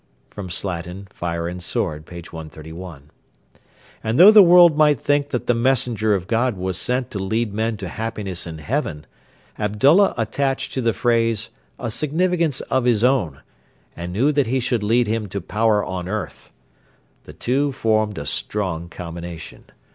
"' [Slatin, FIRE AND SWORD, p.131.] And though the world might think that the 'Messenger of God' was sent to lead men to happiness in heaven, Abdullah attached to the phrase a significance of his own, and knew that he should lead him to power on earth. The two formed a strong combination.